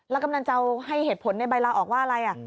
กำนันเจ้าให้เหตุผลในใบลาออกว่าอะไร